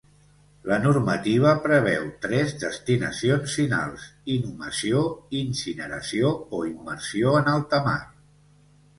La normativa preveu tres destinacions finals: inhumació, incineració o immersió en alta mar.